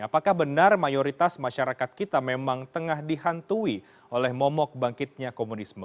apakah benar mayoritas masyarakat kita memang tengah dihantui oleh momok bangkitnya komunisme